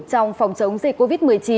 trong phòng chống dịch covid một mươi chín